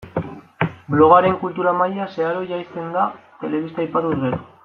Blogaren kultura maila zeharo jaisten da telebista aipatuz gero.